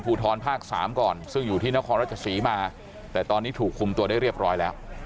ทรภาค๓ก่อนซึ่งอยู่ที่นครรัชศรีมาแต่ตอนนี้ถูกคุมตัวได้เรียบร้อยแล้ว